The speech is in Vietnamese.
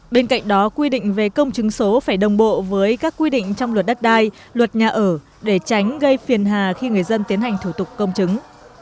bên cạnh đó quy định về công chứng số phải đồng bộ với các quy định trong luật đất đai luật nhà ở để tránh gây phiền hà khi người dân tiến hành thủ tục công chứng